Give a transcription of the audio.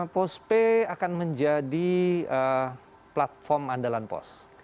postpay akan menjadi platform andalan pos